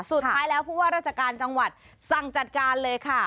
สุดท้ายแล้วผู้ว่าราชการจังหวัดสั่งจัดการเลยค่ะ